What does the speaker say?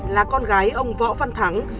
là con gái ông võ văn thắng